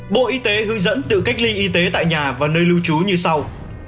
bộ y tế hướng dẫn tự cách ly y tế tại nhà và nơi lưu trú như sau